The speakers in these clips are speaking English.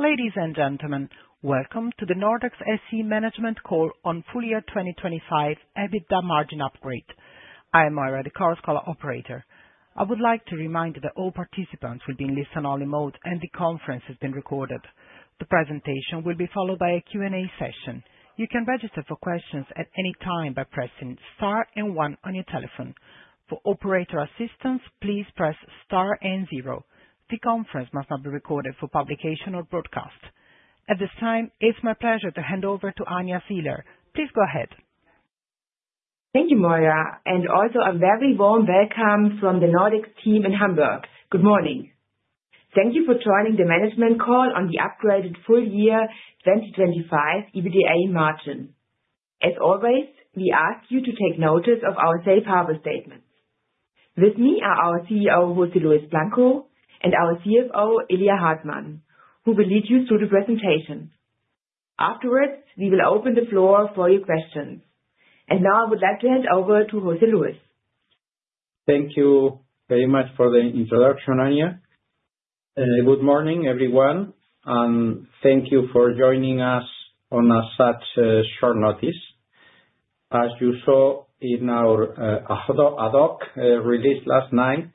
Ladies and gentlemen, welcome to the Nordex SE Management Call on Full Year 2025 EBITDA Margin Upgrade. I am Moira de Carrasco, operator. I would like to remind you that all participants will be in listen-only mode and the conference has been recorded. The presentation will be followed by a Q&A session. You can register for questions at any time by pressing Star and 1 on your telephone. For operator assistance, please press Star and 0. The conference must not be recorded for publication or broadcast. At this time, it's my pleasure to hand over to Anja Siehler. Please go ahead. Thank you, Moira, and also a very warm welcome from the Nordex team in Hamburg. Good morning. Thank you for joining the management call on the Upgraded Full Year 2025 EBITDA Margin. As always, we ask you to take notice of our safe harbor statements. With me are our CEO, José Luis Blanco, and our CFO, Ilya Hartmann, who will lead you through the presentation. Afterwards, we will open the floor for your questions. And now I would like to hand over to José Luis. Thank you very much for the introduction, Anja. Good morning, everyone, and thank you for joining us on such short notice. As you saw in our ad hoc release last night,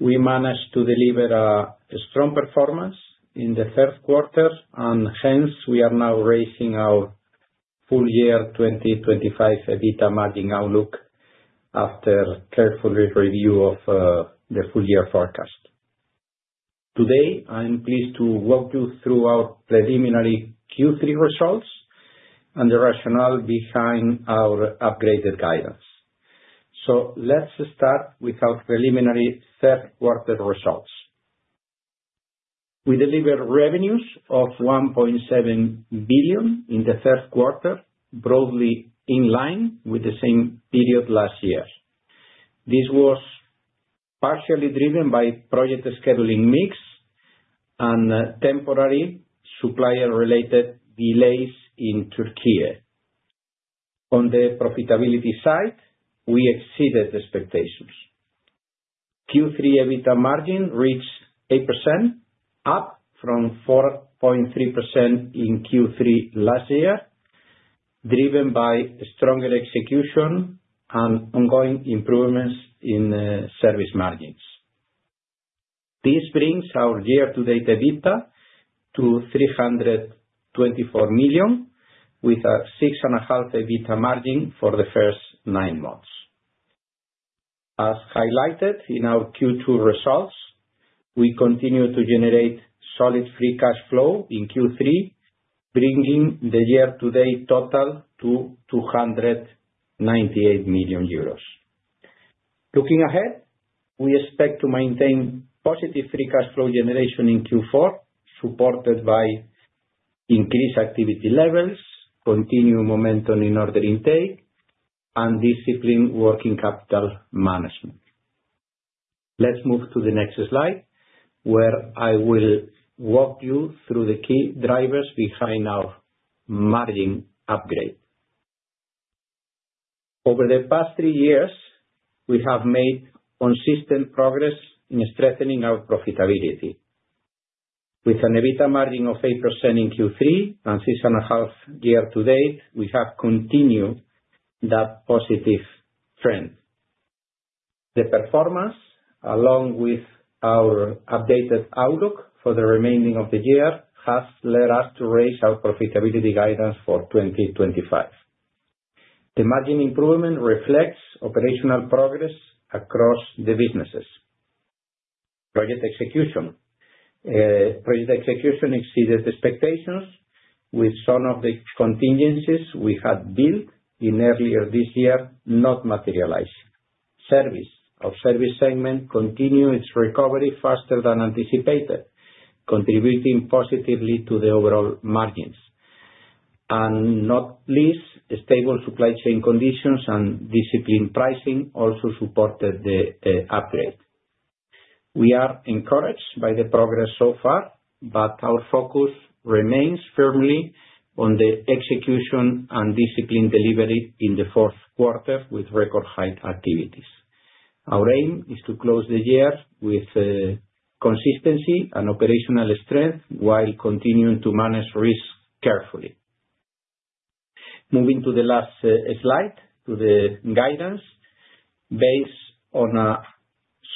we managed to deliver a strong performance in the third quarter, and hence we are now raising our full year 2025 EBITDA margin outlook after careful review of the full year forecast. Today, I'm pleased to walk you through our preliminary Q3 results and the rationale behind our upgraded guidance. So let's start with our preliminary third quarter results. We delivered revenues of 1.7 billion in the third quarter, broadly in line with the same period last year. This was partially driven by project scheduling mix and temporary supplier-related delays in Türkiye. On the profitability side, we exceeded expectations. Q3 EBITDA margin reached 8%, up from 4.3% in Q3 last year, driven by stronger execution and ongoing improvements in service margins. This brings our year-to-date EBITDA to 324 million, with a 6.5% EBITDA margin for the first nine months. As highlighted in our Q2 results, we continue to generate solid free cash flow in Q3, bringing the year-to-date total to 298 million euros. Looking ahead, we expect to maintain positive free cash flow generation in Q4, supported by increased activity levels, continued momentum in order intake, and disciplined working capital management. Let's move to the next slide, where I will walk you through the key drivers behind our margin upgrade. Over the past three years, we have made consistent progress in strengthening our profitability. With an EBITDA margin of 8% in Q3 and 6.5% year to date, we have continued that positive trend. The performance, along with our updated outlook for the remaining of the year, has led us to raise our profitability guidance for 2025. The margin improvement reflects operational progress across the businesses. Project execution exceeded expectations, with some of the contingencies we had built earlier this year not materializing. Service, our service segment, continued its recovery faster than anticipated, contributing positively to the overall margins, and not least, stable supply chain conditions and disciplined pricing also supported the upgrade. We are encouraged by the progress so far, but our focus remains firmly on the execution and disciplined delivery in the fourth quarter with record-high activities. Our aim is to close the year with consistency and operational strength while continuing to manage risk carefully. Moving to the last slide, to the guidance. Based on a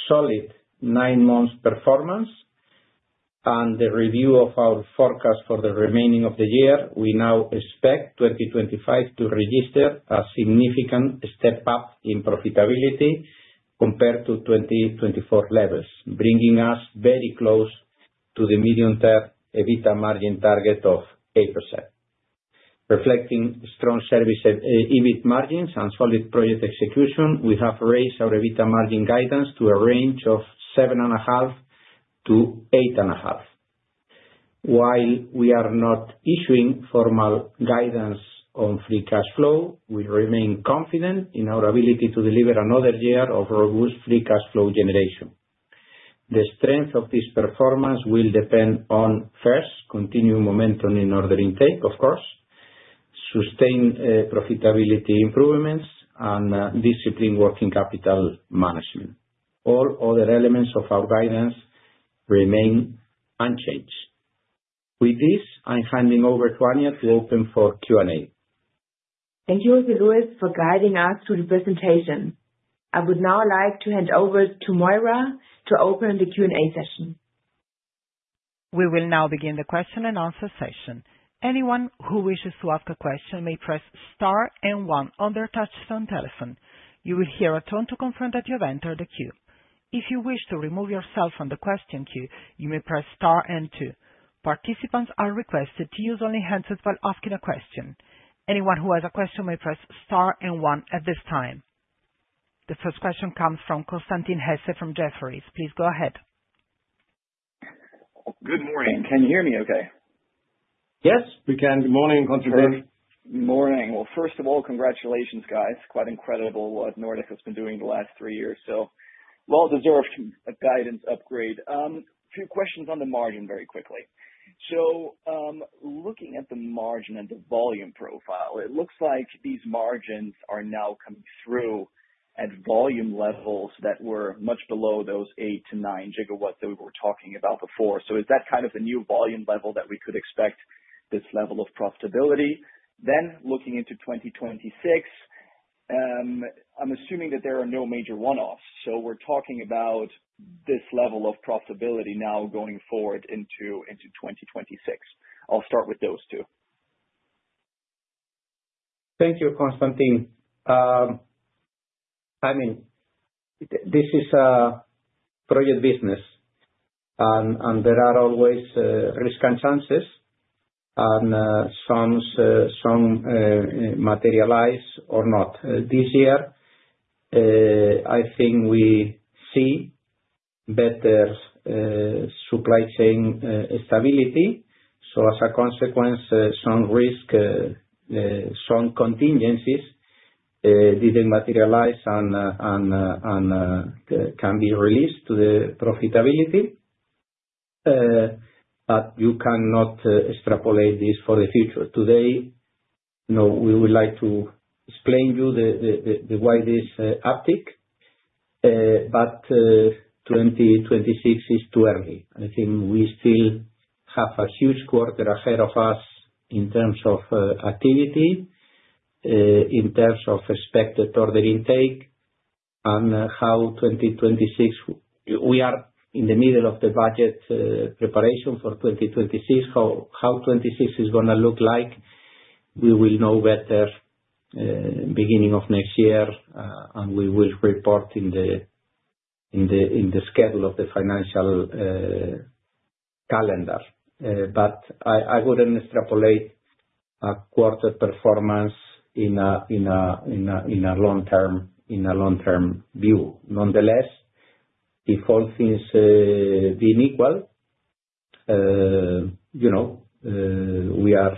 solid nine-month performance and the review of our forecast for the remaining of the year, we now expect 2025 to register a significant step up in profitability compared to 2024 levels, bringing us very close to the medium-term EBITDA margin target of 8%. Reflecting strong service EBIT margins and solid project execution, we have raised our EBITDA margin guidance to a range of 7.5%-8.5%. While we are not issuing formal guidance on free cash flow, we remain confident in our ability to deliver another year of robust free cash flow generation. The strength of this performance will depend on, first, continued momentum in order intake, of course, sustained profitability improvements, and disciplined working capital management. All other elements of our guidance remain unchanged. With this, I'm handing over to Anja to open for Q&A. Thank you, José Luis, for guiding us through the presentation. I would now like to hand over to Moira to open the Q&A session. We will now begin the question-and-answer session. Anyone who wishes to ask a question may press star and one on their touch-tone telephone. You will hear a tone to confirm that you have entered the queue. If you wish to remove yourself from the question queue, you may press star and two. Participants are requested to use only handsets while asking a question. Anyone who has a question may press star and one at this time. The first question comes from Constantin Hesse from Jefferies. Please go ahead. Good morning. Can you hear me okay? Yes, we can. Good morning, Constantin. Good morning. Well, first of all, congratulations, guys. Quite incredible what Nordex has been doing the last three years. So, well-deserved guidance upgrade. A few questions on the margin very quickly. So, looking at the margin and the volume profile, it looks like these margins are now coming through at volume levels that were much below those 8 GW-9 GW that we were talking about before. So, is that kind of the new volume level that we could expect this level of profitability? Then, looking into 2026, I'm assuming that there are no major one-offs. So, we're talking about this level of profitability now going forward into 2026. I'll start with those two. Thank you, Constantin. I mean, this is a project business, and there are always risks and chances, and some materialize or not. This year, I think we see better supply chain stability. So, as a consequence, some risk, some contingencies didn't materialize and can be released to the profitability. But you cannot extrapolate this for the future. Today, we would like to explain to you why this uptick, but 2026 is too early. I think we still have a huge quarter ahead of us in terms of activity, in terms of expected order intake, and how 2026, we are in the middle of the budget preparation for 2026, how 2026 is going to look like. We will know better at the beginning of next year, and we will report in the schedule of the financial calendar. But I wouldn't extrapolate a quarter performance in a long-term view. Nonetheless, if all things be equal, we are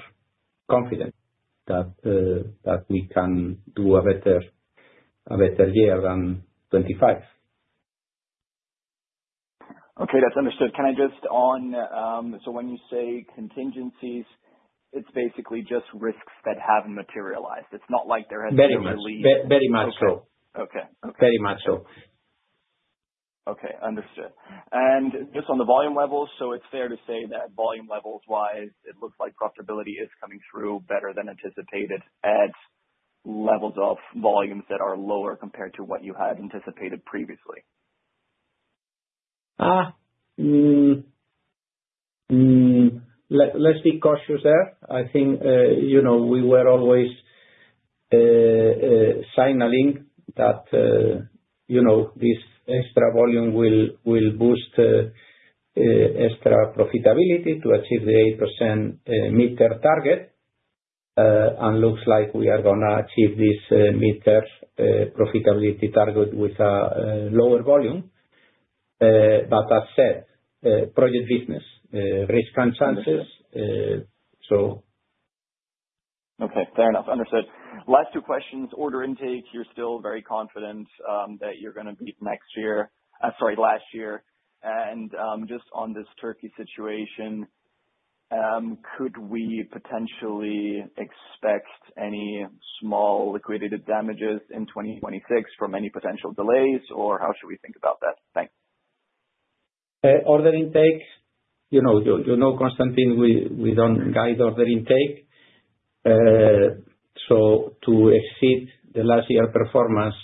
confident that we can do a better year than 2025. Okay, that's understood. Can I just add, so when you say contingencies, it's basically just risks that haven't materialized. It's not like there has been a release. Very much so. Okay. Okay. Very much so. Okay, understood, and just on the volume levels, so it's fair to say that volume levels-wise, it looks like profitability is coming through better than anticipated at levels of volumes that are lower compared to what you had anticipated previously. Let's be cautious there. I think we were always signaling that this extra volume will boost extra profitability to achieve the 8% mid-term target. And it looks like we are going to achieve this mid-term profitability target with a lower volume. But as said, project business, risks and chances, so. Okay, fair enough. Understood. Last two questions. Order intake, you're still very confident that you're going to beat next year, sorry, last year. And just on this Turkey situation, could we potentially expect any small liquidated damages in 2026 from any potential delays, or how should we think about that? Thanks. Order intake, you know, Constantin, we don't guide order intake. So, to exceed the last year's performance,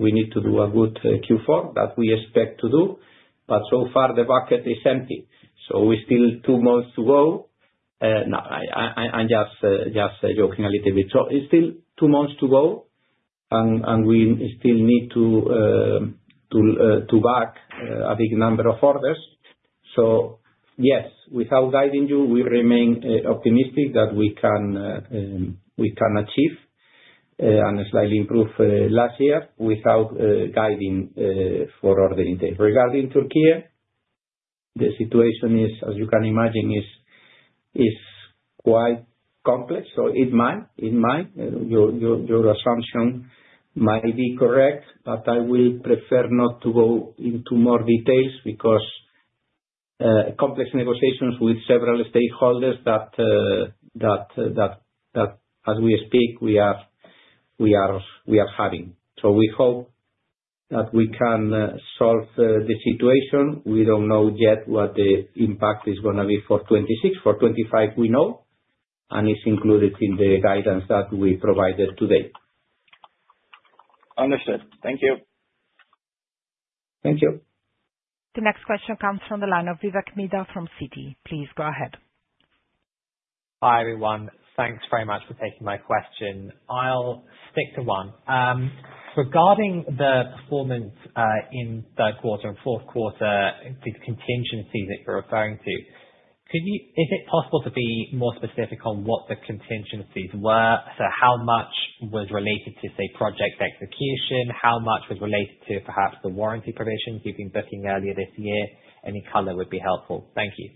we need to do a good Q4 that we expect to do. But so far, the bucket is empty. So, we still have two months to go. No, I'm just joking a little bit. So, it's still two months to go, and we still need to book a big number of orders. So, yes, without guiding you, we remain optimistic that we can achieve and slightly improve last year without guiding for order intake. Regarding Türkiye, the situation is, as you can imagine, quite complex. So, it might. Your assumption might be correct, but I will prefer not to go into more details because complex negotiations with several stakeholders that, as we speak, we are having. So, we hope that we can solve the situation. We don't know yet what the impact is going to be for 2026. For 2025, we know, and it's included in the guidance that we provided today. Understood. Thank you. Thank you. The next question comes from the line of Vivek Midha from Citi. Please go ahead. Hi, everyone. Thanks very much for taking my question. I'll stick to one. Regarding the performance in third quarter and fourth quarter, these contingencies that you're referring to, is it possible to be more specific on what the contingencies were? So, how much was related to, say, project execution? How much was related to perhaps the warranty provisions you've been booking earlier this year? Any color would be helpful. Thank you.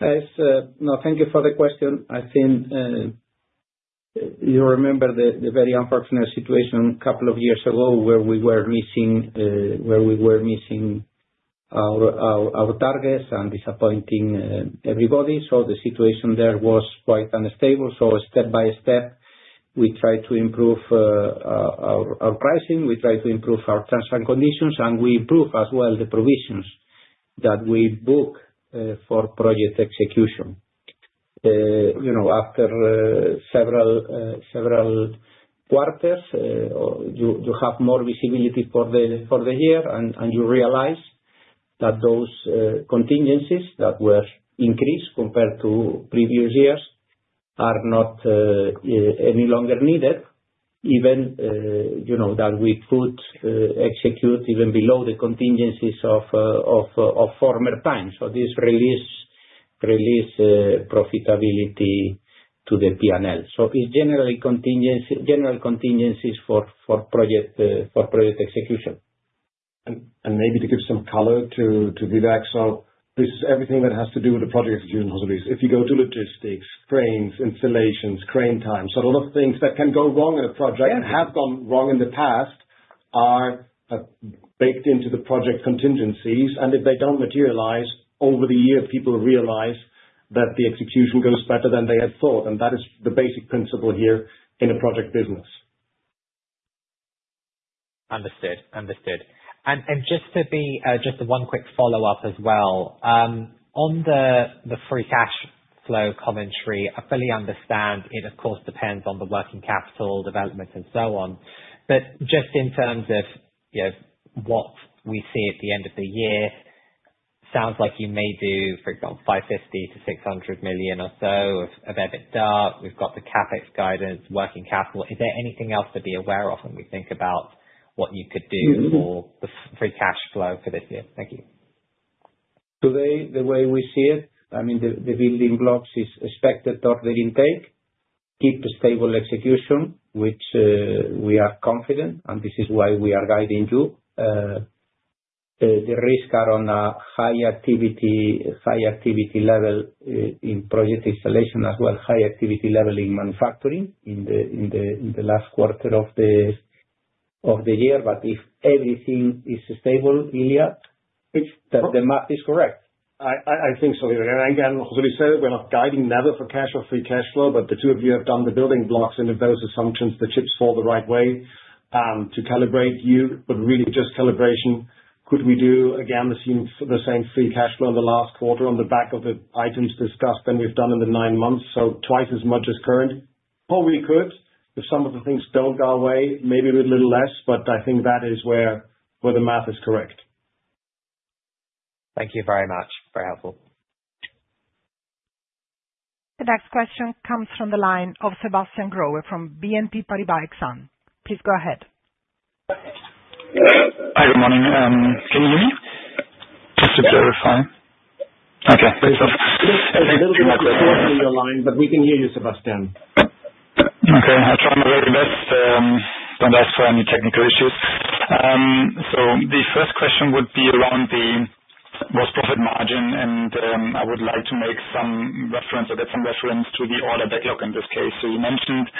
No, thank you for the question. I think you remember the very unfortunate situation a couple of years ago where we were missing our targets and disappointing everybody. So, the situation there was quite unstable. So, step by step, we tried to improve our pricing, we tried to improve our terms and conditions, and we improved as well the provisions that we book for project execution. After several quarters, you have more visibility for the year, and you realize that those contingencies that were increased compared to previous years are not any longer needed, even that we could execute even below the contingencies of former times. So, this release profitability to the P&L. So, it's generally general contingencies for project execution. and maybe to give some color to Vivek, so this is everything that has to do with the project execution, José Luis. If you go to logistics, cranes, installations, crane time, so a lot of things that can go wrong in a project that have gone wrong in the past are baked into the project contingencies, and if they don't materialize over the year, people realize that the execution goes better than they had thought. and that is the basic principle here in a project business. Understood. And just one quick follow-up as well, on the free cash flow commentary, I fully understand it, of course, depends on the working capital development and so on. But just in terms of what we see at the end of the year, sounds like you may do, for example, 550 million-600 million or so of EBITDA. We've got the CapEx guidance, working capital. Is there anything else to be aware of when we think about what you could do for the free cash flow for this year? Thank you. Today, the way we see it, I mean, the building blocks is expected order intake, keep stable execution, which we are confident, and this is why we are guiding you. The risks are on a high activity level in project installation as well, high activity level in manufacturing in the last quarter of the year. But if everything is stable, Ilya, the math is correct. I think so, José Luis. And again, José Luis, we're not guiding never for cash or free cash flow, but the two of you have done the building blocks, and if those assumptions, the chips fall the right way to calibrate you, but really just calibration, could we do, again, the same free cash flow in the last quarter on the back of the items discussed than we've done in the nine months? So, twice as much as current? Oh, we could. If some of the things don't go away, maybe a little less, but I think that is where the math is correct. Thank you very much. Very helpful. The next question comes from the line of Sebastian Growe from BNP Paribas Exane. Please go ahead. Hi, good morning. Can you hear me? Just to clarify. Okay. I think you're not clearly on the line, but we can hear you, Sebastian. Okay. I'll try my very best and ask for any technical issues. So, the first question would be around the gross profit margin, and I would like to make some reference or get some reference to the order backlog in this case. So, you mentioned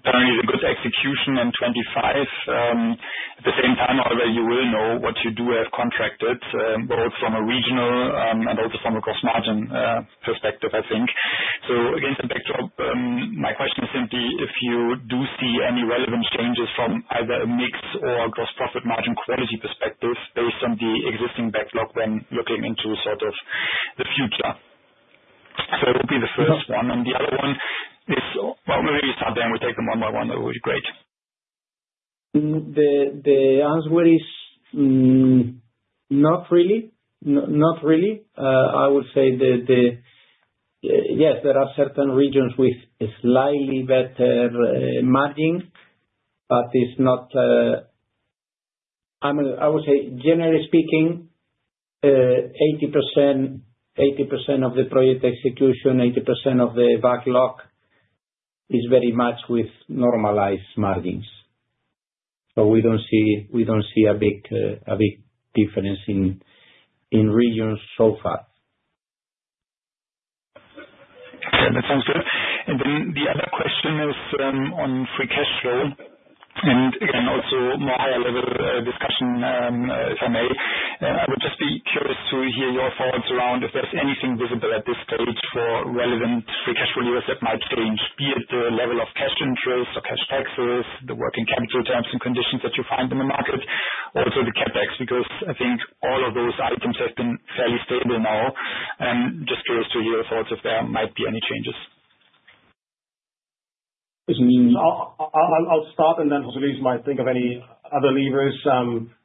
apparently the good execution in 2025. At the same time, however, you will know what you do have contracted, both from a regional and also from a gross margin perspective, I think. So, against the backdrop, my question is simply if you do see any relevant changes from either a mix or gross profit margin quality perspective based on the existing backlog when looking into sort of the future. So, that would be the first one. And the other one is, well, maybe we start there, and we take them one by one, that would be great. The answer is not really. Not really. I would say that, yes, there are certain regions with slightly better margins, but it's not, I mean, I would say, generally speaking, 80% of the project execution, 80% of the backlog is very much with normalized margins. So, we don't see a big difference in regions so far. That sounds good, and then the other question is on free cash flow, and again, also more higher-level discussion, if I may. I would just be curious to hear your thoughts around if there's anything visible at this stage for relevant free cash flow that might change, be it the level of cash interest or cash taxes, the working capital terms and conditions that you find in the market, also the CapEx, because I think all of those items have been fairly stable now. I'm just curious to hear your thoughts if there might be any changes. I mean, I'll start, and then José Luis might think of any other levers.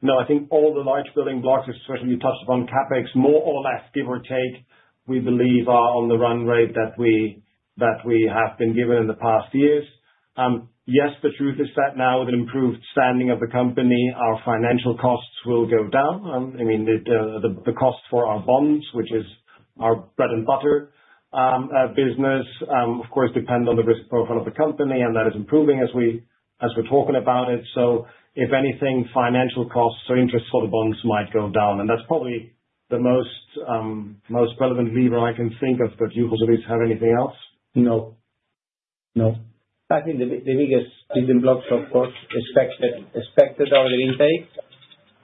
No, I think all the large building blocks, especially you touched upon CapEx, more or less, give or take, we believe are on the run rate that we have been given in the past years. Yes, the truth is that now, with an improved standing of the company, our financial costs will go down. I mean, the cost for our bonds, which is our bread and butter business, of course, depend on the risk profile of the company, and that is improving as we're talking about it. So, if anything, financial costs or interest for the bonds might go down. And that's probably the most relevant lever I can think of. But do you, José Luis, have anything else? No. No. I think the biggest building blocks, of course, expected order intake,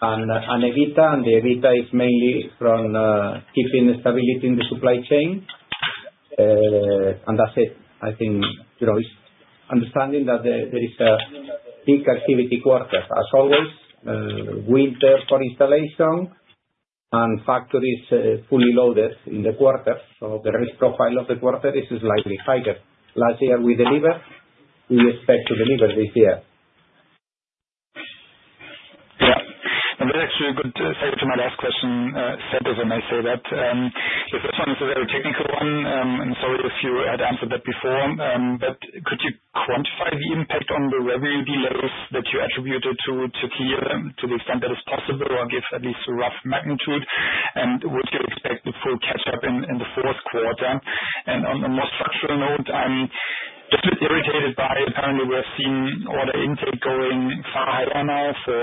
and EBITDA, and the EBITDA is mainly from keeping the stability in the supply chain. And that's it, I think, understanding that there is a peak activity quarter, as always, winter for installation, and factories fully loaded in the quarter. So, the risk profile of the quarter is slightly higher. Last year, we delivered. We expect to deliver this year. Yeah. And that actually goes to my last question set as I may say that. The first one is a very technical one, and sorry if you had answered that before. But could you quantify the impact on the revenue delays that you attributed to Türkiye to the extent that it's possible, or give at least a rough magnitude? And would you expect the full catch-up in the fourth quarter? And on a more structural note, I'm a bit irritated by apparently we have seen order intake going far higher now for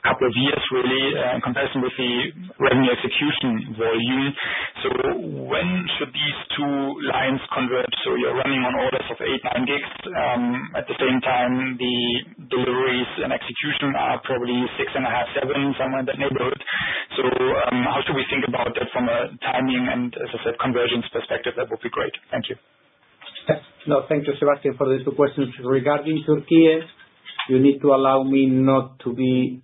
a couple of years, really, in comparison with the revenue execution volume. So, when should these two lines converge? So, you're running on orders of 8 GW-9 GW. At the same time, the deliveries and execution are probably 6.5-7, somewhere in that neighborhood. So, how should we think about that from a timing and, as I said, convergence perspective? That would be great. Thank you. No, thank you, Sebastian, for the two questions. Regarding Türkiye, you need to allow me not to be,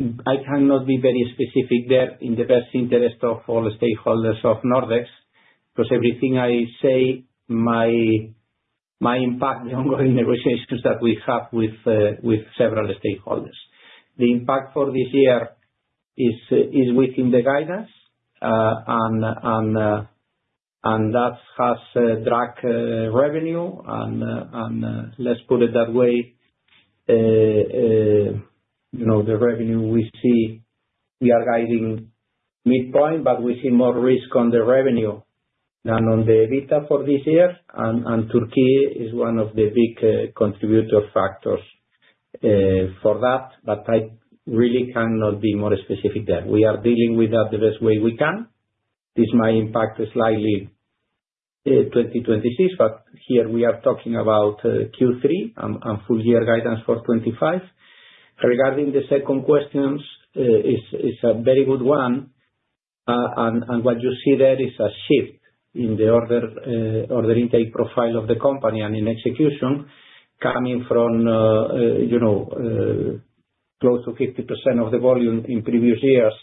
I cannot be very specific there in the best interest of all stakeholders of Nordex because everything I say, my impact on the ongoing negotiations that we have with several stakeholders. The impact for this year is within the guidance, and that has dragged revenue, and let's put it that way, the revenue we see, we are guiding midpoint, but we see more risk on the revenue than on the EBITDA for this year, and Türkiye is one of the big contributor factors for that, but I really cannot be more specific there. We are dealing with that the best way we can. This might impact slightly 2026, but here we are talking about Q3 and full year guidance for 2025. Regarding the second question, it's a very good one. What you see there is a shift in the order intake profile of the company and in execution coming from close to 50% of the volume in previous years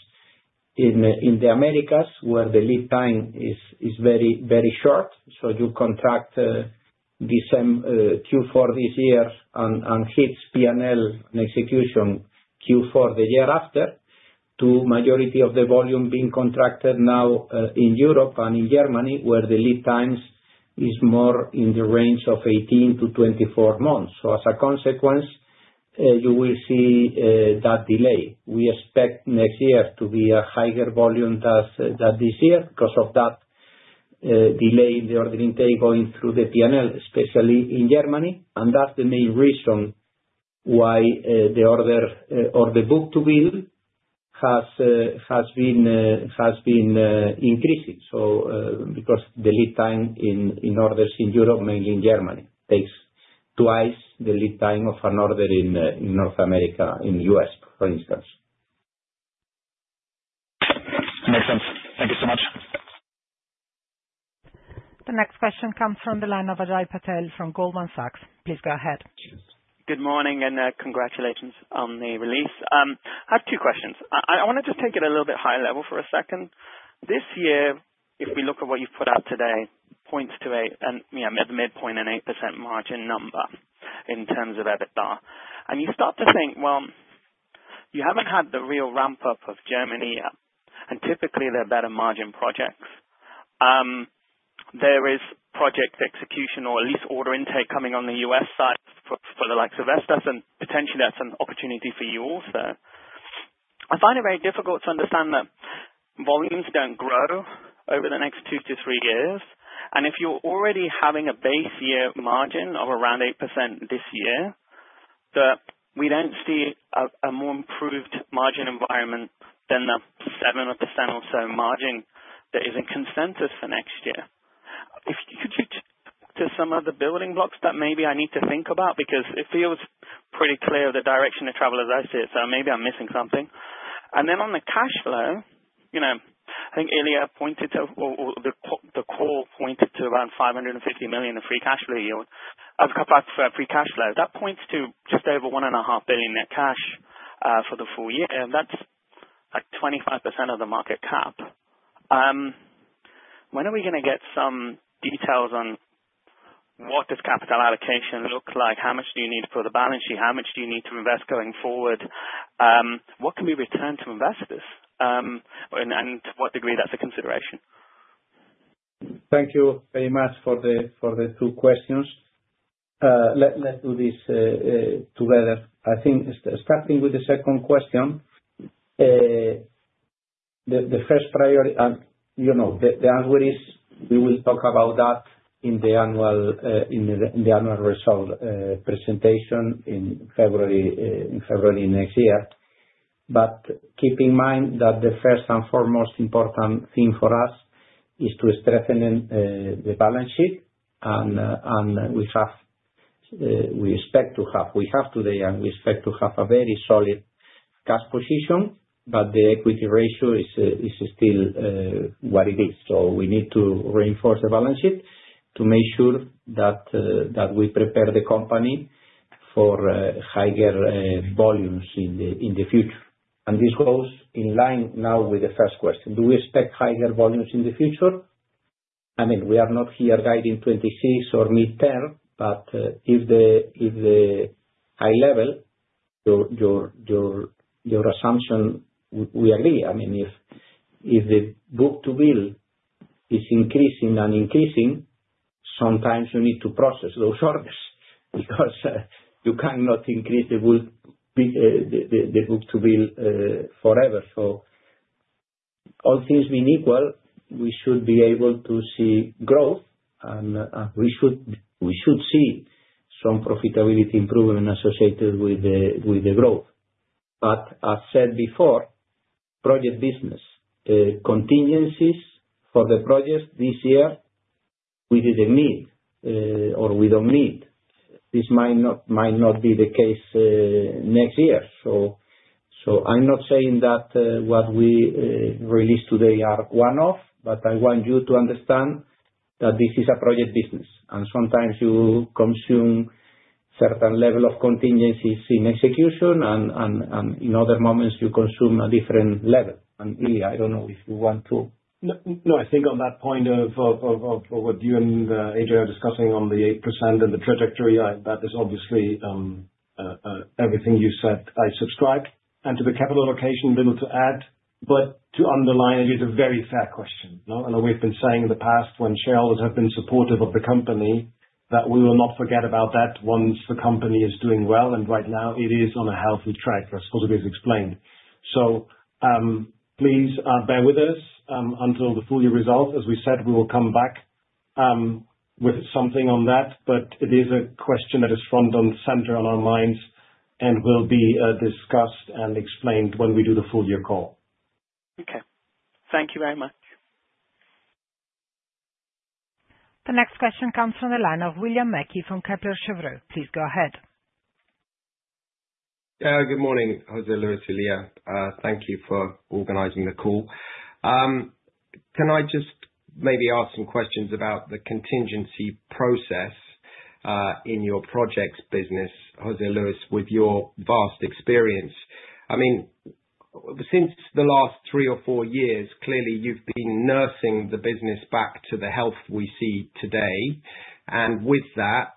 in the Americas where the lead time is very short. You contract Q4 this year and hit P&L and execution Q4 the year after to majority of the volume being contracted now in Europe and in Germany where the lead times is more in the range of 18-24 months. As a consequence, you will see that delay. We expect next year to be a higher volume than this year because of that delay in the order intake going through the P&L, especially in Germany. That's the main reason why the order or the book-to-bill has been increasing. So, because the lead time in orders in Europe, mainly in Germany, takes twice the lead time of an order in North America, in the U.S., for instance. Makes sense. Thank you so much. The next question comes from the line of Ajay Patel from Goldman Sachs. Please go ahead. Good morning and congratulations on the release. I have two questions. I want to just take it a little bit higher level for a second. This year, if we look at what you've put out today, points to a midpoint and 8% margin number in terms of EBITDA, and you start to think, well, you haven't had the real ramp-up of Germany, and typically, they're better margin projects. There is project execution or at least order intake coming on the U.S. side for the likes of Vestas, and potentially, that's an opportunity for you also. I find it very difficult to understand that volumes don't grow over the next two to three years, and if you're already having a base year margin of around 8% this year, we don't see a more improved margin environment than the 7% or so margin that is in consensus for next year. Could you talk to some of the building blocks that maybe I need to think about? Because it feels pretty clear the direction of travel as I see it, so maybe I'm missing something. And then on the cash flow, I think Ilya pointed to, or the call pointed to around 550 million of free cash flow yield as a free cash flow. That points to just over 1.5 billion net cash for the full year. That's like 25% of the market cap. When are we going to get some details on what does capital allocation look like? How much do you need for the balance sheet? How much do you need to invest going forward? What can we return to investors? And to what degree that's a consideration? Thank you very much for the two questions. Let's do this together. I think starting with the second question, the first priority, the answer is we will talk about that in the annual result presentation in February next year. But keep in mind that the first and foremost important thing for us is to strengthen the balance sheet. And we expect to have, we have today, and we expect to have a very solid cash position, but the equity ratio is still what it is. So, we need to reinforce the balance sheet to make sure that we prepare the company for higher volumes in the future. And this goes in line now with the first question. Do we expect higher volumes in the future? I mean, we are not here guiding 2026 or mid-term, but if the high level, your assumption, we agree. I mean, if the book-to-bill is increasing and increasing, sometimes you need to process those orders because you cannot increase the book-to-bill forever. So, all things being equal, we should be able to see growth, and we should see some profitability improvement associated with the growth. But as said before, project business, contingencies for the projects this year, we didn't meet, or we don't meet. This might not be the case next year. So, I'm not saying that what we released today are one-off, but I want you to understand that this is a project business. And sometimes you consume a certain level of contingencies in execution, and in other moments, you consume a different level. And Ilya, I don't know if you want to. No, I think on that point of what you and Adjai are discussing on the 8% and the trajectory, that is obviously everything you said I subscribe, and to the capital allocation, little to add, but to underline, it is a very fair question. I know we've been saying in the past when shareholders have been supportive of the company that we will not forget about that once the company is doing well, and right now, it is on a healthy track, as José Luis explained, so please bear with us until the full year result. As we said, we will come back with something on that, but it is a question that is front and center on our minds and will be discussed and explained when we do the full year call. Okay. Thank you very much. The next question comes from the line of William Mackie from Kepler Chevreux. Please go ahead. Good morning, José Luis and Ilya. Thank you for organizing the call. Can I just maybe ask some questions about the contingency process in your projects business, José Luis, with your vast experience? I mean, since the last three or four years, clearly, you've been nursing the business back to the health we see today. And with that,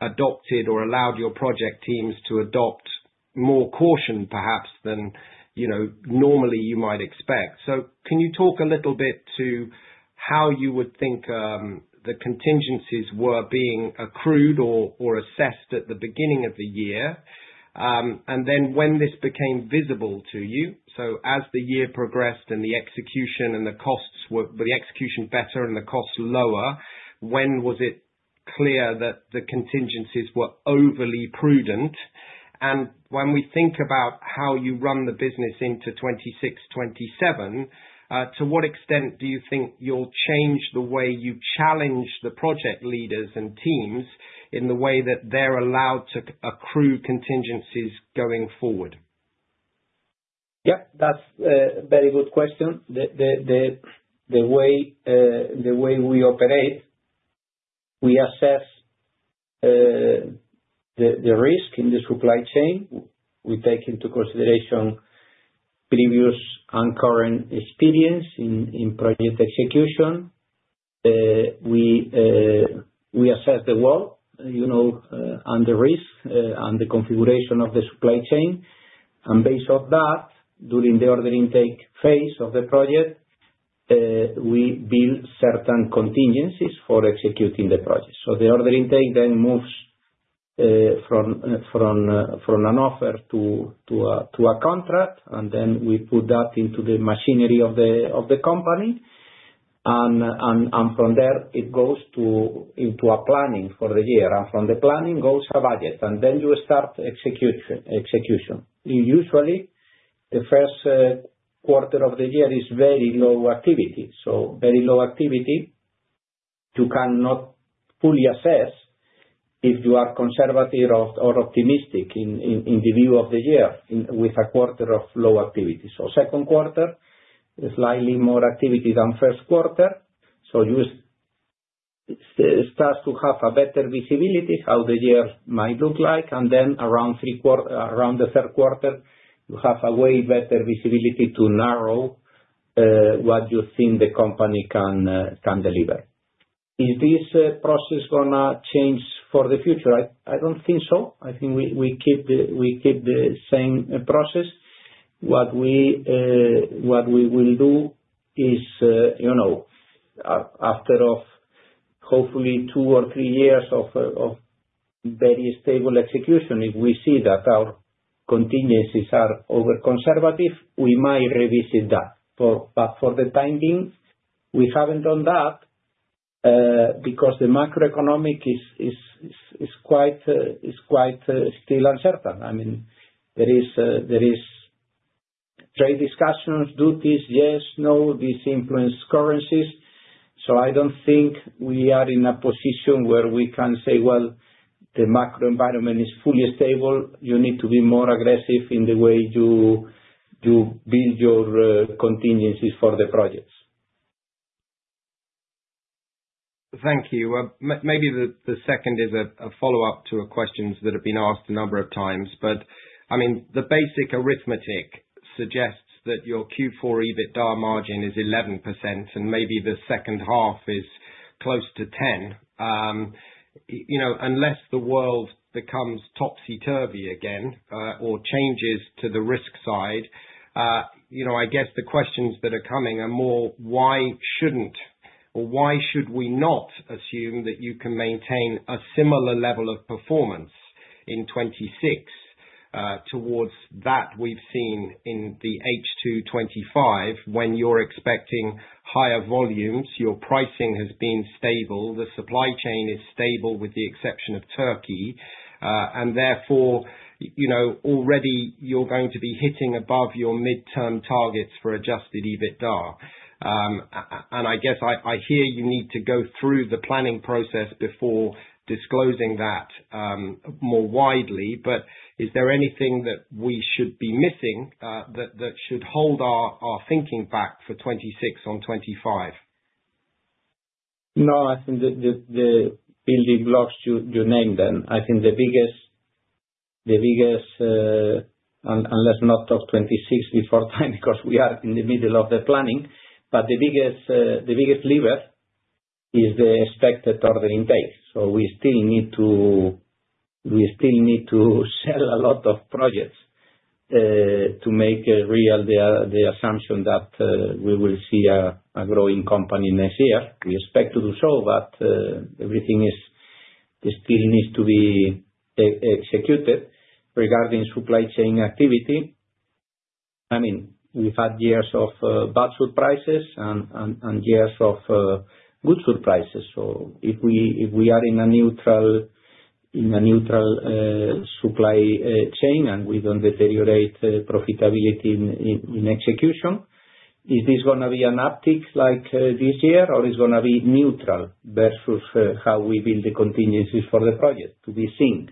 adopted or allowed your project teams to adopt more caution, perhaps, than normally you might expect. So, can you talk a little bit to how you would think the contingencies were being accrued or assessed at the beginning of the year? And then when this became visible to you, so as the year progressed and the execution and the costs were the execution better and the costs lower, when was it clear that the contingencies were overly prudent? When we think about how you run the business into 2026, 2027, to what extent do you think you'll change the way you challenge the project leaders and teams in the way that they're allowed to accrue contingencies going forward? Yep, that's a very good question. The way we operate, we assess the risk in the supply chain. We take into consideration previous and current experience in project execution. We assess the overall risk and the configuration of the supply chain, and based on that, during the order intake phase of the project, we build certain contingencies for executing the project, so the order intake then moves from an offer to a contract, and then we put that into the machinery of the company, and from there, it goes into a planning for the year, and from the planning goes a budget, and then you start execution. Usually, the first quarter of the year is very low activity, so very low activity, you cannot fully assess if you are conservative or optimistic in the view of the year with a quarter of low activity. Second quarter, slightly more activity than first quarter. You start to have a better visibility of how the year might look like. And then around the third quarter, you have a way better visibility to narrow what you think the company can deliver. Is this process going to change for the future? I don't think so. I think we keep the same process. What we will do is, after hopefully two or three years of very stable execution, if we see that our contingencies are over-conservative, we might revisit that. But for the time being, we haven't done that because the macroeconomic is quite still uncertain. I mean, there are trade discussions, duties, yes, no, these influence currencies. I don't think we are in a position where we can say, "Well, the macro environment is fully stable. You need to be more aggressive in the way you build your contingencies for the projects. Thank you. Maybe the second is a follow-up to questions that have been asked a number of times. But I mean, the basic arithmetic suggests that your Q4 EBITDA margin is 11%, and maybe the second half is close to 10%. Unless the world becomes topsy-turvy again or changes to the risk side, I guess the questions that are coming are more, "Why shouldn't, or why should we not assume that you can maintain a similar level of performance in 2026 towards that we've seen in the H2/2025 when you're expecting higher volumes? Your pricing has been stable. The supply chain is stable with the exception of Turkey. And therefore, already you're going to be hitting above your midterm targets for adjusted EBITDA." And I guess I hear you need to go through the planning process before disclosing that more widely. But is there anything that we should be missing that should hold our thinking back for 2026 on 2025? No, I think the building blocks you named them. I think the biggest, unless not of 2026 before time because we are in the middle of the planning, but the biggest lever is the expected order intake. So, we still need to sell a lot of projects to make real the assumption that we will see a growing company next year. We expect to do so, but everything still needs to be executed. Regarding supply chain activity, I mean, we've had years of bad surprises and years of good surprises. So, if we are in a neutral supply chain and we don't deteriorate profitability in execution, is this going to be an uptick like this year, or it's going to be neutral versus how we build the contingencies for the project? To be seen.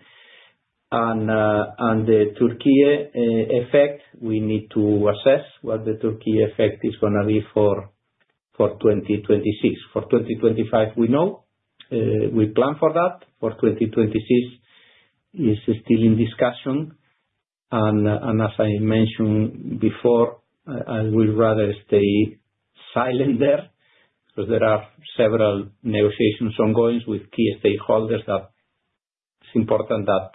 And the Türkiye effect, we need to assess what the Türkiye effect is going to be for 2026. For 2025, we know. We plan for that. For 2026, it's still in discussion. And as I mentioned before, I would rather stay silent there because there are several negotiations ongoing with key stakeholders that it's important that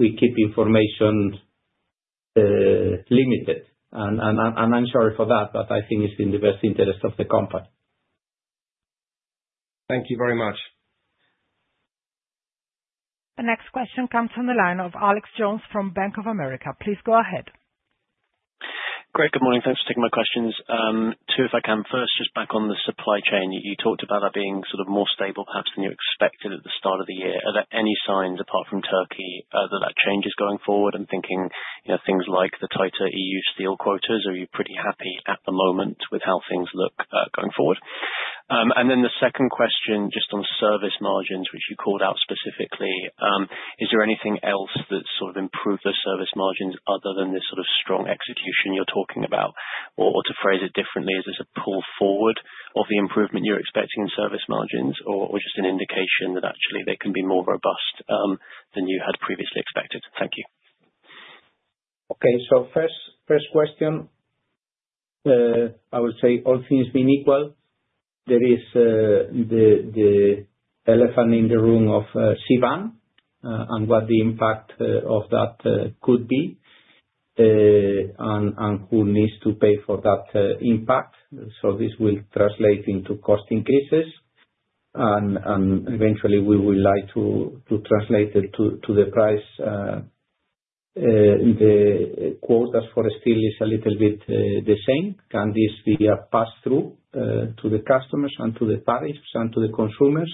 we keep information limited. And I'm sorry for that, but I think it's in the best interest of the company. Thank you very much. The next question comes from the line of Alex Jones from Bank of America. Please go ahead. Great. Good morning. Thanks for taking my questions. Two, if I can, first just back on the supply chain. You talked about that being sort of more stable perhaps than you expected at the start of the year. Are there any signs apart from Turkey that that change is going forward? I'm thinking things like the tighter E.U. steel quotas. Are you pretty happy at the moment with how things look going forward? And then the second question just on service margins, which you called out specifically, is there anything else that sort of improved those service margins other than this sort of strong execution you're talking about? Or to phrase it differently, is this a pull forward of the improvement you're expecting in service margins or just an indication that actually they can be more robust than you had previously expected? Thank you. Okay. So, first question, I would say all things being equal, there is the elephant in the room of CBAM and what the impact of that could be and who needs to pay for that impact. So, this will translate into cost increases. And eventually, we would like to translate it to the price. The quote as for steel is a little bit the same. Can this be a pass-through to the customers and to the tariffs and to the consumers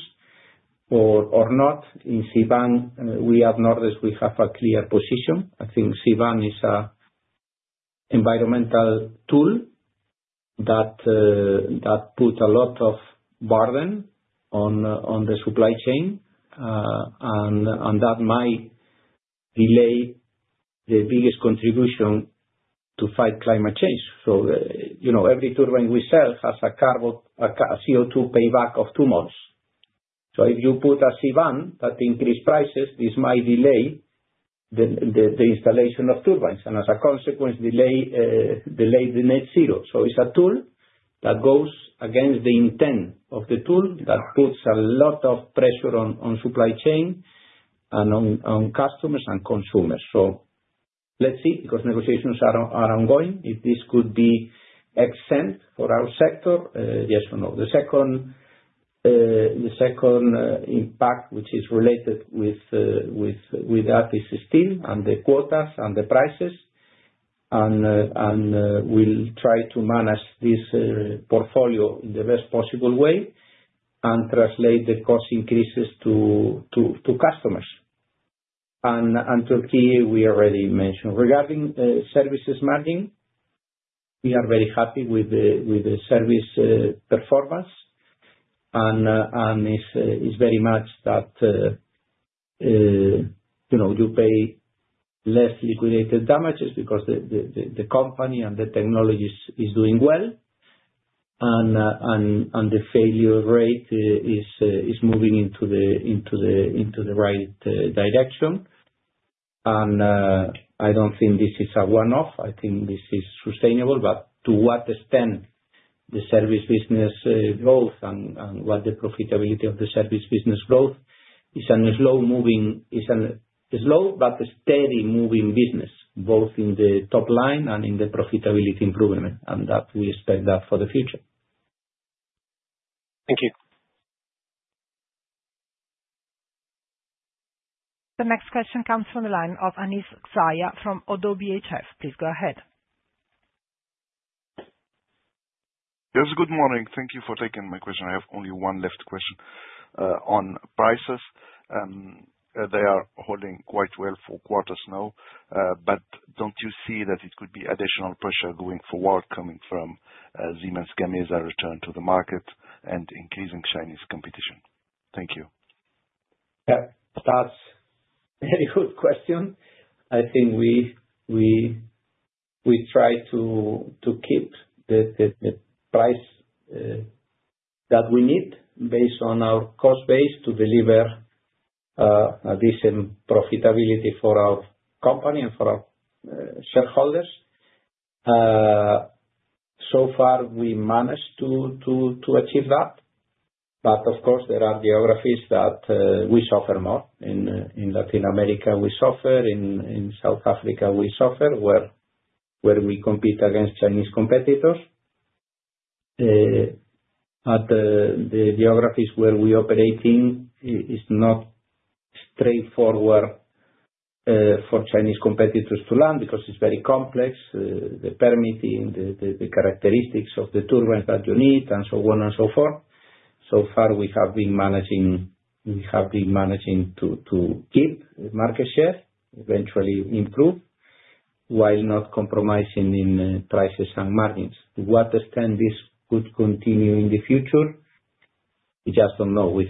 or not? In CBAM, we at Nordex, we have a clear position. I think CBAM is an environmental tool that puts a lot of burden on the supply chain, and that might delay the biggest contribution to fight climate change. So, every turbine we sell has a CO2 payback of two months. So, if you put a CBAM that increases prices, this might delay the installation of turbines. And, as a consequence, delay the net zero. So, it's a tool that goes against the intent of the tool that puts a lot of pressure on supply chain and on customers and consumers. So, let's see because negotiations are ongoing. If this could be excellent for our sector, yes or no? The second impact, which is related with that, is steel and the quotas and the prices. And we'll try to manage this portfolio in the best possible way and translate the cost increases to customers. And Türkiye, we already mentioned. Regarding services margin, we are very happy with the service performance. And it's very much that you pay less liquidated damages because the company and the technology is doing well. And the failure rate is moving into the right direction. And I don't think this is a one-off. I think this is sustainable. But to what extent the service business growth and what the profitability of the service business growth is a slow but steady-moving business, both in the top line and in the profitability improvement. And that we expect that for the future. Thank you. The next question comes from the line of Anis Zgaya from Oddo BHF. Please go ahead. Yes, good morning. Thank you for taking my question. I have only one left question on prices. They are holding quite well for quarters now. But don't you see that it could be additional pressure going forward coming from Siemens Gamesa's return to the market and increasing Chinese competition? Thank you. Yeah, that's a very good question. I think we try to keep the price that we need based on our cost base to deliver a decent profitability for our company and for our shareholders. So far, we managed to achieve that. But of course, there are geographies that we suffer more. In Latin America, we suffer. In South Africa, we suffer where we compete against Chinese competitors. But the geographies where we operate in is not straightforward for Chinese competitors to land because it's very complex, the permitting, the characteristics of the turbines that you need, and so on and so forth. So far, we have been managing to keep market share, eventually improve while not compromising in prices and margins. To what extent this could continue in the future, we just don't know.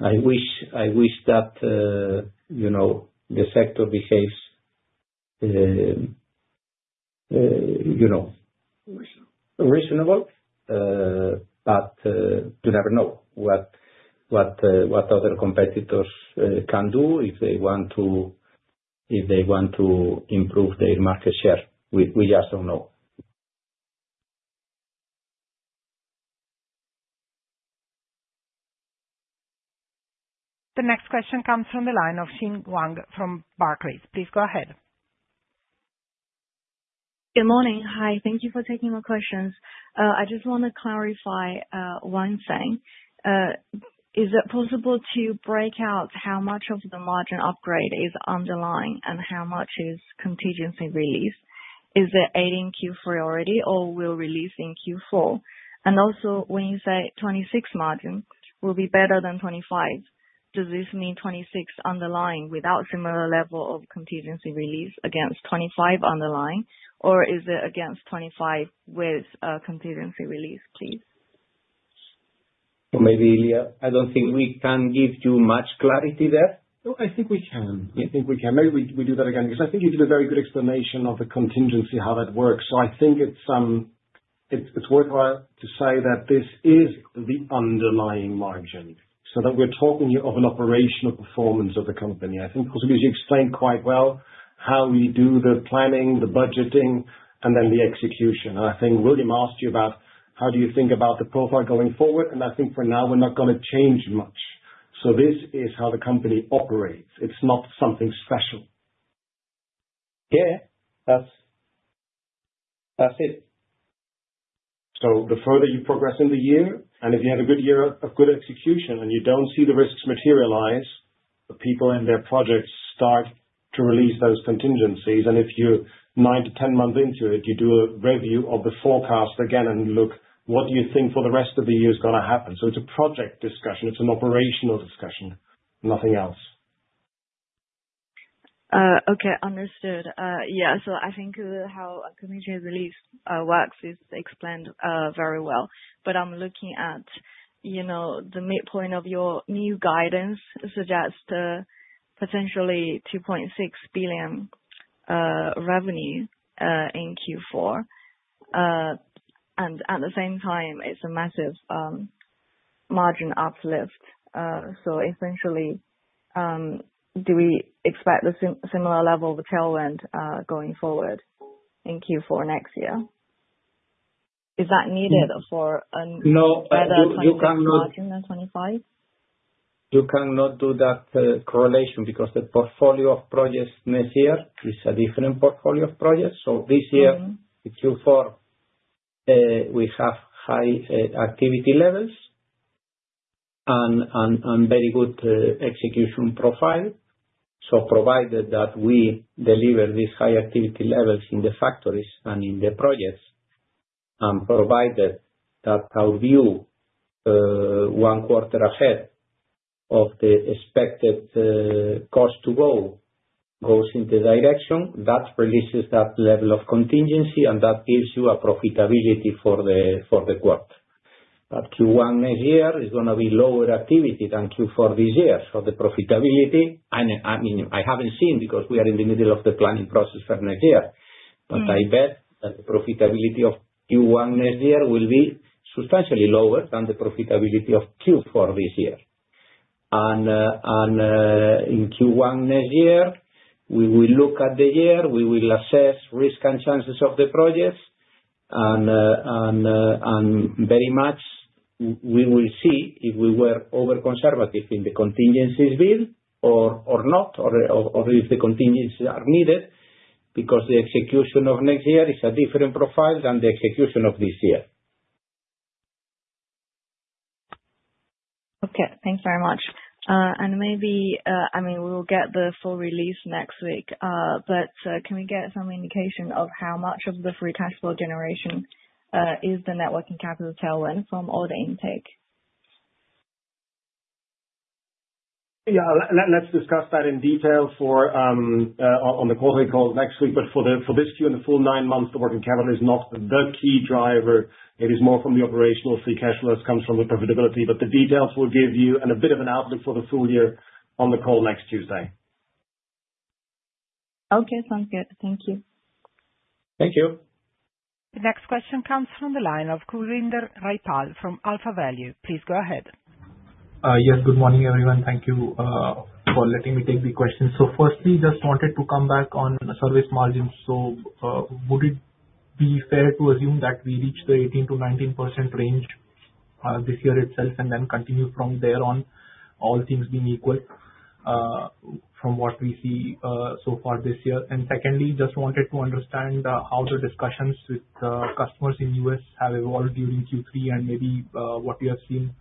I wish that the sector behaves reasonably, but you never know what other competitors can do if they want to improve their market share. We just don't know. The next question comes from the line of Xin Wang from Barclays. Please go ahead. Good morning. Hi. Thank you for taking my questions. I just want to clarify one thing. Is it possible to break out how much of the margin upgrade is underlying and how much is contingency released? Is it already in Q4 already, or will release in Q4? And also, when you say 2026 margin will be better than 2025, does this mean 2026 underlying without similar level of contingency release against 2025 underlying, or is it against 2025 with contingency release, please? Maybe, Ilya, I don't think we can give you much clarity there. No, I think we can. I think we can. Maybe we do that again because I think you did a very good explanation of the contingency, how that works, so I think it's worthwhile to say that this is the underlying margin, so then we're talking of an operational performance of the company. I think, of course, you explained quite well how we do the planning, the budgeting, and then the execution, and I think William asked you about how do you think about the profile going forward, and I think for now, we're not going to change much, so this is how the company operates. It's not something special. Yeah, that's it. So the further you progress in the year, and if you have a good year of good execution and you don't see the risks materialize, the people in their projects start to release those contingencies. And if you're nine-10 months into it, you do a review of the forecast again and look, what do you think for the rest of the year is going to happen? So it's a project discussion. It's an operational discussion, nothing else. Okay. Understood. Yeah. So I think how contingency release works is explained very well. But I'm looking at the midpoint of your new guidance suggests potentially 2.6 billion revenue in Q4. And at the same time, it's a massive margin uplift. So essentially, do we expect a similar level of tailwind going forward in Q4 next year? Is that needed for a better contingency margin than 25%? You cannot do that correlation because the portfolio of projects next year is a different portfolio of projects. So this year, Q4, we have high activity levels and very good execution profile. So provided that we deliver these high activity levels in the factories and in the projects and provided that our view one quarter ahead of the expected cost to go goes in the direction, that releases that level of contingency, and that gives you a profitability for the quarter. But Q1 next year is going to be lower activity than Q4 this year. So the profitability, I mean, I haven't seen because we are in the middle of the planning process for next year. But I bet that the profitability of Q1 next year will be substantially lower than the profitability of Q4 this year. And in Q1 next year, we will look at the year. We will assess risk and chances of the projects, and very much, we will see if we were over-conservative in the contingency bill or not, or if the contingencies are needed because the execution of next year is a different profile than the execution of this year. Okay. Thanks very much. And maybe, I mean, we will get the full release next week. But can we get some indication of how much of the free cash flow generation is the working capital tailwind from all the intake? Yeah. Let's discuss that in detail on the call we call next week. But for this Q and the full nine months, the working capital is not the key driver. It is more from the operational free cash flow that comes from the profitability. But the details will give you a bit of an outlook for the full year on the call next Tuesday. Okay. Sounds good. Thank you. Thank you. The next question comes from the line of Kulwinder Rajpal from AlphaValue. Please go ahead. Yes, good morning, everyone. Thank you for letting me take the question. So firstly, just wanted to come back on service margin. So would it be fair to assume that we reach the 18%-19% range this year itself and then continue from there on, all things being equal from what we see so far this year? And secondly, just wanted to understand how the discussions with customers in the U.S. have evolved during Q3 and maybe what you have seen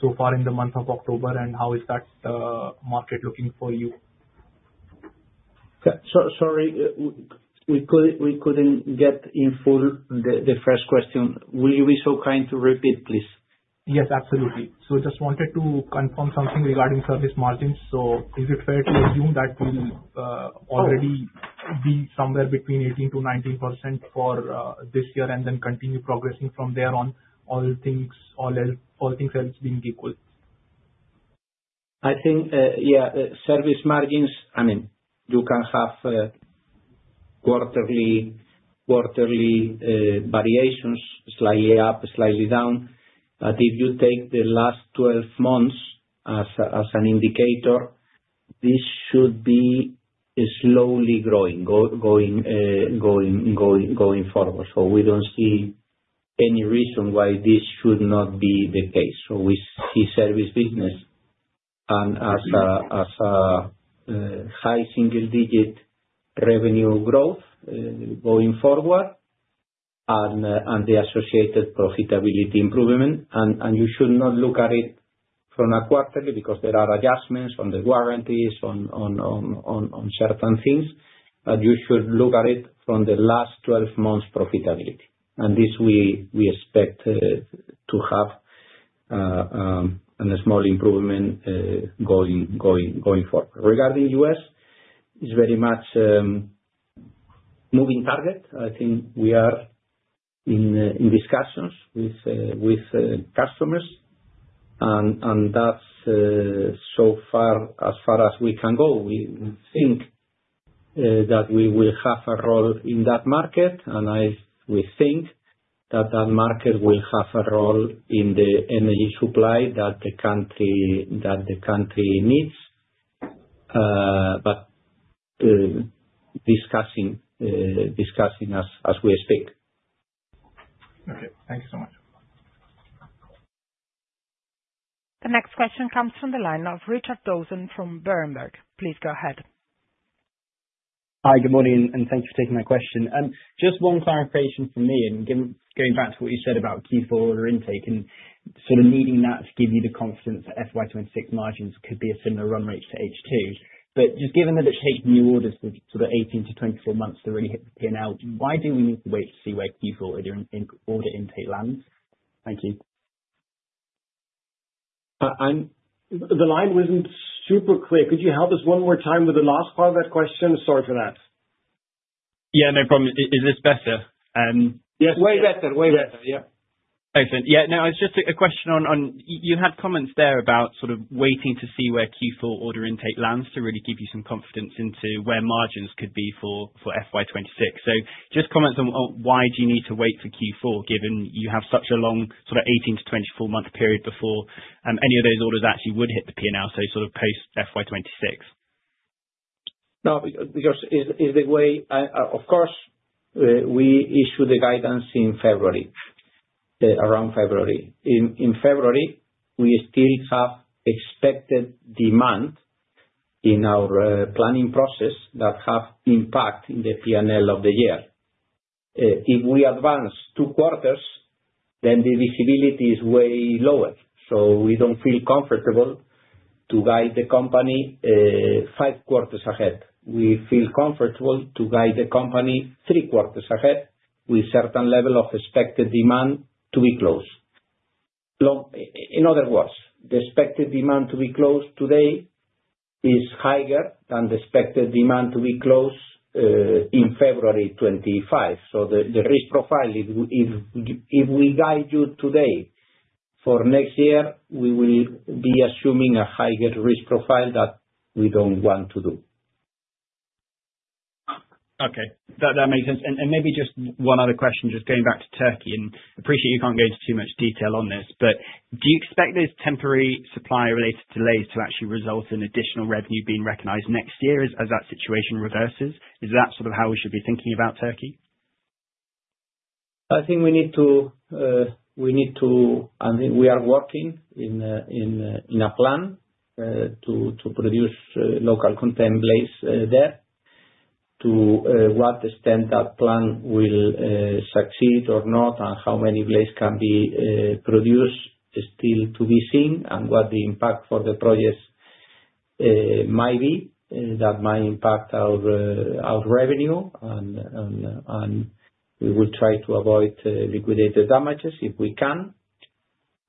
so far in the month of October and how is that market looking for you? Yeah. Sorry, we couldn't get in full the first question. Will you be so kind to repeat, please? Yes, absolutely. So just wanted to confirm something regarding service margins. So is it fair to assume that we will already be somewhere between 18%-19% for this year and then continue progressing from there on, all things being equal? I think, yeah, service margins, I mean, you can have quarterly variations, slightly up, slightly down, but if you take the last 12 months as an indicator, this should be slowly growing forward, so we don't see any reason why this should not be the case, so we see service business and as a high single-digit revenue growth going forward and the associated profitability improvement, and you should not look at it from a quarterly because there are adjustments on the warranties on certain things, but you should look at it from the last 12 months' profitability, and this we expect to have a small improvement going forward. Regarding the U.S., it's very much moving target. I think we are in discussions with customers, and that's so far as we can go. We think that we will have a role in that market. And we think that market will have a role in the energy supply that the country needs. But discussing as we speak. Okay. Thank you so much. The next question comes from the line of Richard Dawson from Berenberg. Please go ahead. Hi, good morning. And thank you for taking my question. Just one clarification from me. And going back to what you said about Q4 order intake and sort of needing that to give you the confidence that FY 2026 margins could be a similar run rate to H2. But just given that it's taking new orders for sort of 18-24 months to really hit the P&L, why do we need to wait to see where Q4 order intake lands? Thank you. The line wasn't super clear. Could you help us one more time with the last part of that question? Sorry for that. Yeah, no problem. Is this better? Yes. Way better. Way better. Yeah. Okay. Yeah. No, it's just a question on you had comments there about sort of waiting to see where Q4 order intake lands to really give you some confidence into where margins could be for FY 2026. So just comments on why do you need to wait for Q4 given you have such a long sort of 18 to 24-month period before any of those orders actually would hit the P&L, so sort of post FY 2026? No, because of course, we issued the guidance in February, around February. In February, we still have expected demand in our planning process that have impact in the P&L of the year. If we advance two quarters, then the visibility is way lower, so we don't feel comfortable to guide the company five quarters ahead. We feel comfortable to guide the company three quarters ahead with a certain level of expected demand to be closed. In other words, the expected demand to be closed today is higher than the expected demand to be closed in February 2025, so the risk profile, if we guide you today for next year, we will be assuming a higher risk profile that we don't want to do. Okay. That makes sense. And maybe just one other question, just going back to Turkey. And I appreciate you can't go into too much detail on this. But do you expect those temporary supply-related delays to actually result in additional revenue being recognized next year as that situation reverses? Is that sort of how we should be thinking about Turkey? I think we need to, I mean, we are working in a plan to produce local content blades there to what extent that plan will succeed or not and how many blades can be produced is still to be seen and what the impact for the projects might be that might impact our revenue, and we will try to avoid liquidated damages if we can,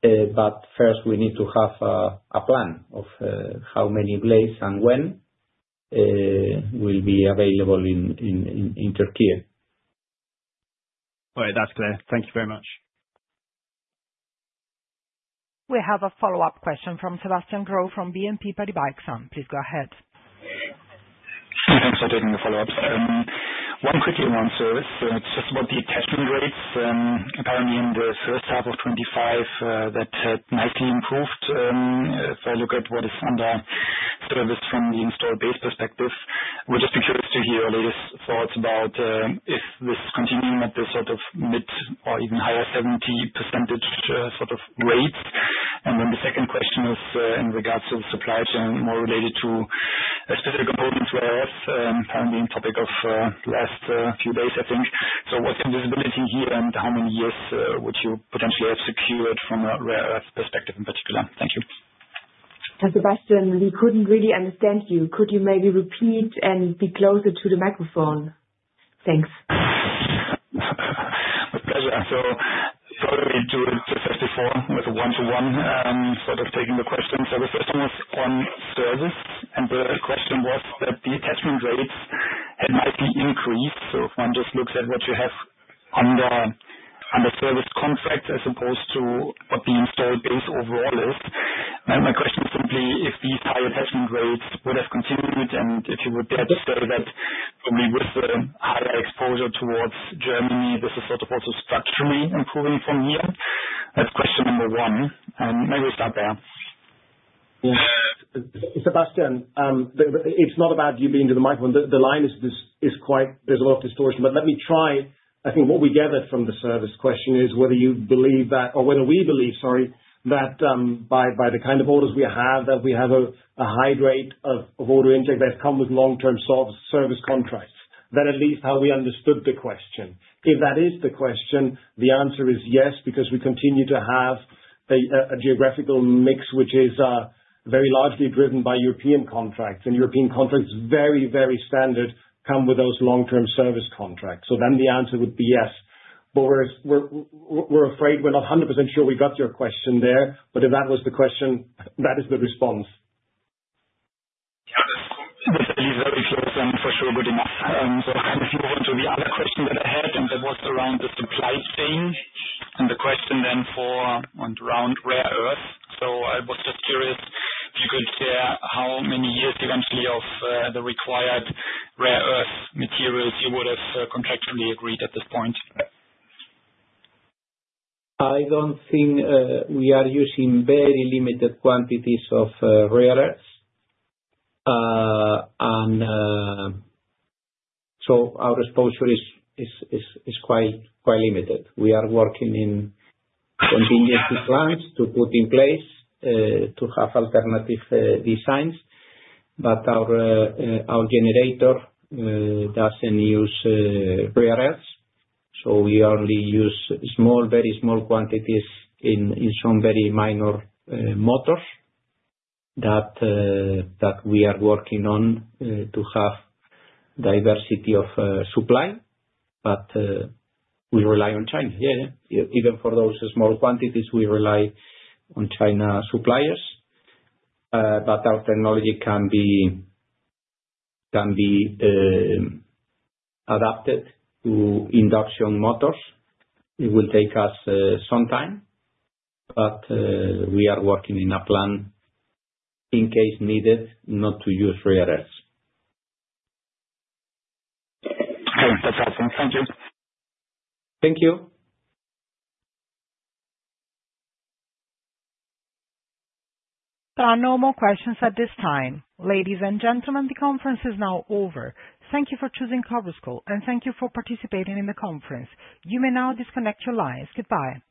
but first, we need to have a plan of how many blades and when will be available in Türkiye. All right. That's clear. Thank you very much. We have a follow-up question from Sebastian Growe from BNP Paribas Exane. Please go ahead. Thanks, Adil, for the follow-ups. One quickly on service. It's just about the attachment rates. Apparently, in the first half of 2025, that had nicely improved if I look at what is under service from the installed base perspective. We're just curious to hear your latest thoughts about if this is continuing at this sort of mid or even higher 70% sort of rates. And then the second question is in regards to the supply chain, more related to specific components rare earths, apparently in the topic of last few days, I think. So what's your visibility here and how many years would you potentially have secured from a rare earths perspective in particular? Thank you. Sebastian, we couldn't really understand you. Could you maybe repeat and be closer to the microphone? Thanks. My pleasure. So sorry to refuse before with a one-to-one sort of taking the question. So the first one was on service. And the question was that the attachment rates might be increased. So if one just looks at what you have under service contract as opposed to what the installed base overall is. My question is simply if these high attachment rates would have continued and if you would dare to say that probably with the higher exposure towards Germany, this is sort of also structurally improving from here. That's question number one. And maybe we'll start there. Yeah. Sebastian, it's not about you being to the microphone. The line is quite, there's a lot of distortion, but let me try. I think what we gathered from the service question is whether you believe that, or whether we believe, sorry, that by the kind of orders we have, that we have a high rate of order intake that has come with long-term service contracts. That at least how we understood the question. If that is the question, the answer is yes because we continue to have a geographical mix which is very largely driven by European contracts, and European contracts, very, very standard, come with those long-term service contracts, so then the answer would be yes. But we're afraid we're not 100% sure we got your question there. But if that was the question, that is the response. Yeah. That's very clear and for sure, good enough, so if you want to the other question that I had, and that was around the supply chain and the question then for around rare earth, so I was just curious if you could share how many years eventually of the required rare earth materials you would have contractually agreed at this point? I don't think we are using very limited quantities of rare earths, and so our exposure is quite limited. We are working on contingency plans to put in place to have alternative designs, but our generator doesn't use rare earths, so we only use small, very small quantities in some very minor motors that we are working on to have diversity of supply, but we rely on China. Yeah, yeah. Even for those small quantities, we rely on China suppliers, but our technology can be adapted to induction motors. It will take us some time, but we are working on a plan in case needed not to use rare earths. Thanks, Sebastian. Thank you. Thank you. There are no more questions at this time. Ladies and gentlemen, the conference is now over. Thank you for choosing Cobblestone. And thank you for participating in the conference. You may now disconnect your lines. Goodbye.